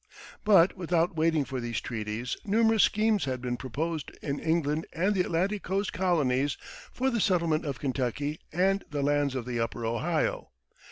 But, without waiting for these treaties, numerous schemes had been proposed in England and the Atlantic coast colonies for the settlement of Kentucky and the lands of the upper Ohio.